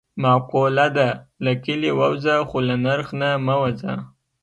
معقوله ده: له کلي ووځه خو له نرخ نه مه وځه.